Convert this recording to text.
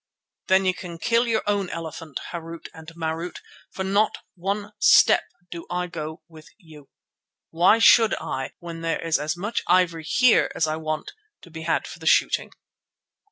"Then you can kill your own elephant, Harût and Marût, for not one step do I go with you. Why should I when there is as much ivory here as I want, to be had for the shooting?"